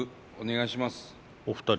お二人。